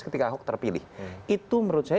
ketika ahok terpilih itu menurut saya